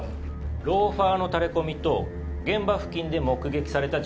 ローファーのタレコミと現場付近で目撃された人物。